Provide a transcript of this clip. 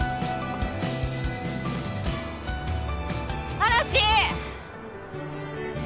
嵐。